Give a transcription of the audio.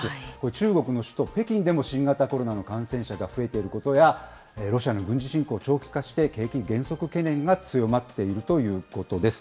ちゅうごくのしゅとぺきんでも、新型コロナの感染者が増えていることや、ロシアの軍事侵攻長期化して、、景気減速懸念が強まっているということです。